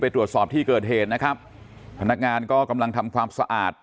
ตรวจสอบที่เกิดเหตุนะครับพนักงานก็กำลังทำความสะอาด